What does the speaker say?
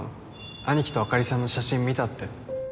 兄貴とあかりさんの写真見たって